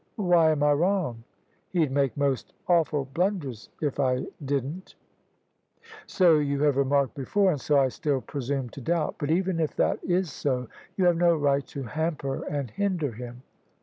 "Why am I wrong? He'd make most awful blunders if I didn't" " So you have remarked before, and so I still presume to doubt. But even if that is so, you have no right to hamper and hinder him."